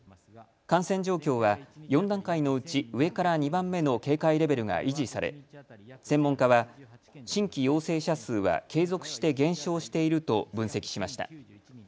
感染状況は４段階のうち上から２番目の警戒レベルが維持され専門家は新規陽性者数は継続して減少していると分析しました。